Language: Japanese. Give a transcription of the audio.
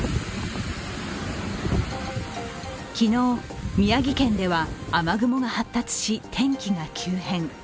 昨日、宮城県では雨雲が発達し天気が急変。